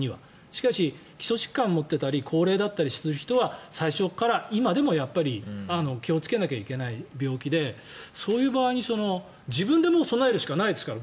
しかし、基礎疾患を持っていたり高齢だったりする人は最初から今でも気をつけなきゃいけない病気でそういう場合自分でもう備えるしかないですから。